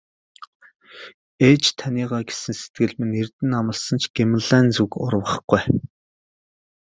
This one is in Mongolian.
Ээж таныгаа гэсэн сэтгэл минь эрдэнэ амласан ч Гималайн зүг урвахгүй ээ.